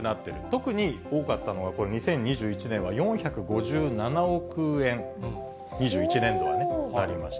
特に、多かったのがこれ、２０２１年は４５７億円、２１年度はね、ありました。